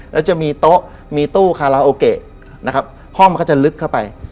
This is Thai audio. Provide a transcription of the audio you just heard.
แล้วจะมีโต๊ะมีตู้คาราโอเกะนะครับห้องมันก็จะลึกเข้าไป